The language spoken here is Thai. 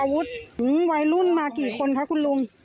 วัยรุ่นมากี่คนครับคุณลุง